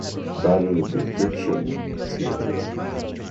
Ball des Deutschen Theaters.